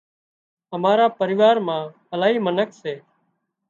امارا پريوار مان الاهي منک سي